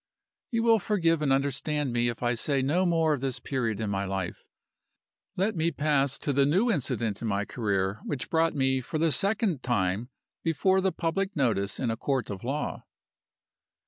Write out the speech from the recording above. "You will forgive and understand me if I say no more of this period of my life. Let me pass to the new incident in my career which brought me for the second time before the public notice in a court of law.